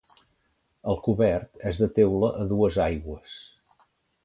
El cobert és de teula a dues aigües.